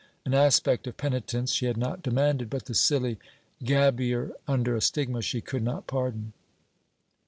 An aspect of penitence she had not demanded, but the silly gabbier under a stigma she could not pardon.